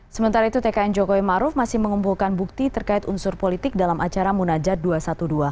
sementara itu tkn jokowi maruf masih mengumpulkan bukti terkait unsur politik dalam acara munajat dua ratus dua belas